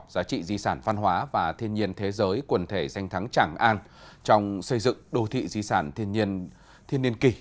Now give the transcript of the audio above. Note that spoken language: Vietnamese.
giá trị di sản văn hóa và thiên nhiên thế giới quần thể danh thắng tràng an trong xây dựng đô thị di sản thiên nhiên thiên niên kỳ